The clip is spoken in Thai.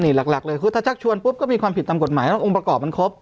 นี่หลักเลยคือถ้าชักชวนปุ๊บก็มีความผิดตามกฎหมายแล้วองค์ประกอบมันครบ